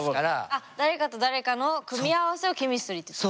あっ誰かと誰かの組み合わせをケミストリーって言ってる。